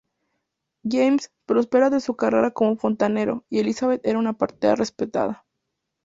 James prosperaba de su carrera como fontanero, y Elizabeth era una partera respetada.